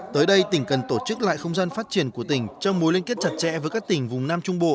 tới đây tỉnh cần tổ chức lại không gian phát triển của tỉnh trong mối liên kết chặt chẽ với các tỉnh vùng nam trung bộ